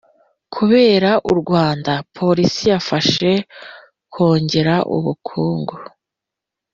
ku bireba u rwanda, politiki yafasha kongera ubukungu